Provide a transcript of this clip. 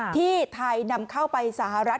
ที่ไทยนำเข้าไปสหรัฐ